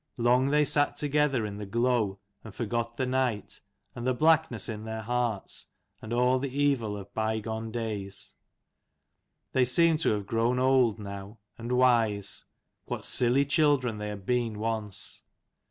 Long they sat together in the glow, and forgot the night, and the blackness in their hearts, and, all the evil of bygone days, They seemed to have grown old, now, and wise. What silly children they had been, once.